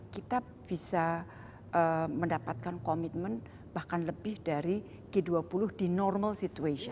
kita bisa mendapatkan komitmen bahkan lebih dari g dua puluh di normal situation